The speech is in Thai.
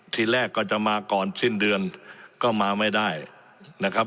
ทีแรกก็จะมาก่อนสิ้นเดือนก็มาไม่ได้นะครับ